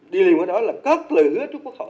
đi liền với đó là cất lời hứa cho quốc hội